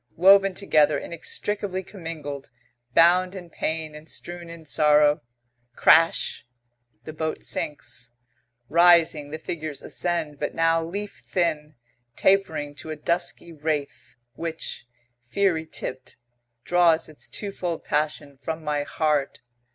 Woven together, inextricably commingled, bound in pain and strewn in sorrow crash! The boat sinks. Rising, the figures ascend, but now leaf thin, tapering to a dusky wraith, which, fiery tipped, draws its twofold passion from my heart.